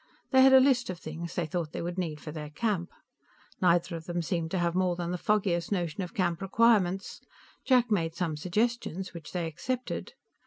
They had a list of things they thought they would need for their camp. Neither of them seemed to have more than the foggiest notion of camp requirements. Jack made some suggestions which they accepted.